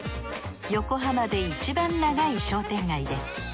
横浜でいちばん長い商店街です。